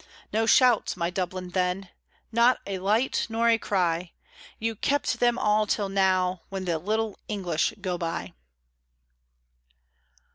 No shouts, my Dublin then! Not a light nor a cry You kept them all till now, when the little English go by!